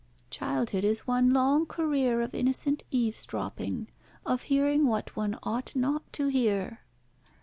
Childhood is one long career of innocent eavesdropping, of hearing what one ought not to hear."